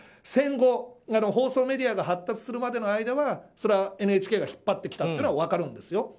戦後、放送メディアが発達するまでの間はＮＨＫが引っ張ってきたのは分かるんですよ。